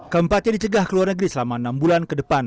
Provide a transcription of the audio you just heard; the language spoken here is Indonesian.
keempatnya dicegah ke luar negeri selama enam bulan ke depan